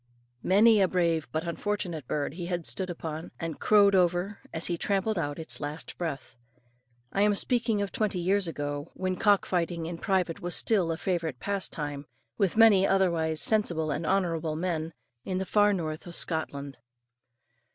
Many a brave but unfortunate bird he had stood upon, and crowed over, as he trampled out its last breath. I am speaking of twenty years ago, when cock fighting in private was still a favourite pastime, with many otherwise sensible and honourable men, in the far north of Scotland.